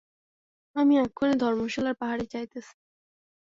আমি এক্ষণে ধর্মশালার পাহাড়ে যাইতেছি।